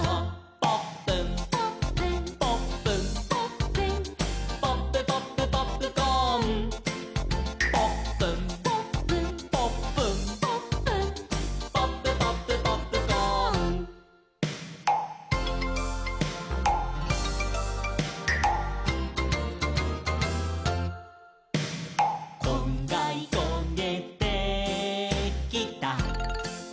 「ポップン」「ポップン」「ポップン」「ポップン」「ポップポップポップコーン」「ポップン」「ポップン」「ポップン」「ポップン」「ポップポップポップコーン」「こんがりこげてきた」